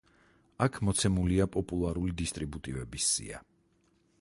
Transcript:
აქ მოცემულია პოპულარული დისტრიბუტივების სია.